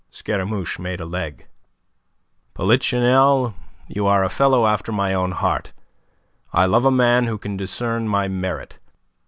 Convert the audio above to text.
Scaramouche made a leg. "Polichinelle, you are a fellow after my own heart. I love a man who can discern my merit.